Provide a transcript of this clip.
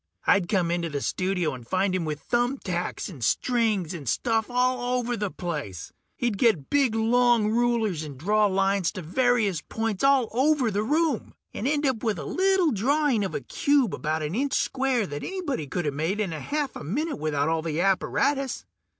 I'd come into the studio and find him with thumb tacks and strings and stuff all over the place. He'd get big long rulers and draw lines to various points all over the room, and end up with a little drawing of a cube about an inch square that anybody coulda made in a half a minute without all the apparatus.